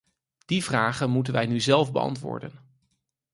Die vragen moeten wij nu zelf beantwoorden.